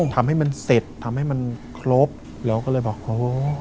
ทำให้มันเสร็จทำให้มันครบเราก็เลยบอกโอ้